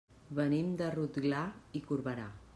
Venim de Rotglà i Corberà.